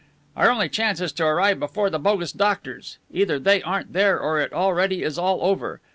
"Our only chance is to arrive before the bogus doctors. Either they aren't there, or it already is all over.